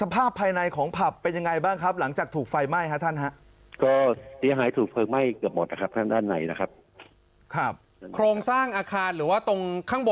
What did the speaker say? มันจะล่วงลงมาไหมครับมันจะพังถล่มลงมาไหมครับผู้การนะครับ